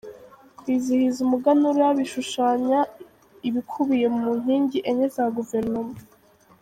Kwizihiza Umuganura bishushanya ibikubiye mu nkingi enye za Guverinoma